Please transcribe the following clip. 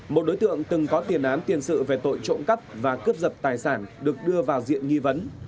một đối tượng từng có tiền án tiền sự về tội trộm cắp và cướp giật tài sản được đưa vào diện nghi vấn